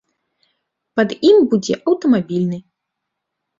Пад ім будзе аўтамабільны.